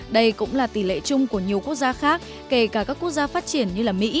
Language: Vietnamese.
đây cũng là tỷ lệ chung của nhiều quốc gia khác kể cả các quốc gia phát triển như mỹ